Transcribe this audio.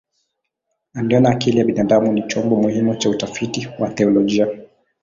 Aliona akili ya binadamu ni chombo muhimu cha utafiti wa teolojia.